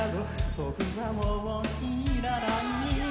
「僕はもう要らない？」